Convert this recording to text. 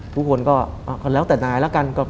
ทุกคนก็แล้วแต่นายแล้วกัน